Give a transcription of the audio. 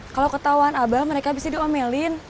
kalau ketahuan abah mereka bisa diomelin